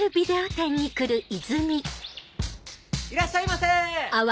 ・いらっしゃいませ！